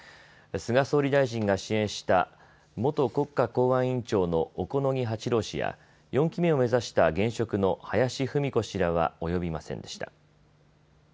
菅総理大臣が支援した元国家公安委員長の小此木八郎氏や４期目を目指した現職の林文子氏らは及びませんでした。